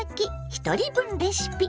ひとり分レシピ」。